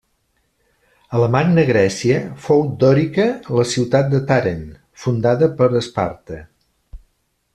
A la Magna Grècia, fou dòrica la ciutat de Tàrent, fundada per Esparta.